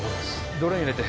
ドレーン入れて閉